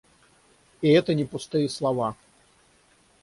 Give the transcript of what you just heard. И это не пустые слова.